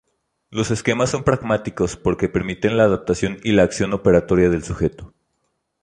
Los esquemas son pragmáticos porque permiten la adaptación y la acción operatoria del sujeto.